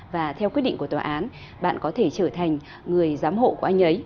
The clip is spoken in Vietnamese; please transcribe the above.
và theo quyết định của tòa án bạn có thể trở thành người giám hộ của anh ấy